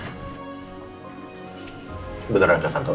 aku mau ngambil berkas yang dikantor